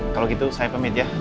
kalau gitu saya pamit ya tante om